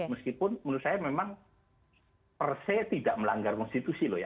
meskipun menurut saya memang perse tidak melanggar konstitusi loh ya